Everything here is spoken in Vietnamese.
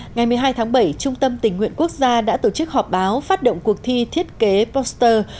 ngày một mươi hai tháng bảy trung tâm tình nguyện quốc gia đã tổ chức họp báo phát động cuộc thi thiết kế poster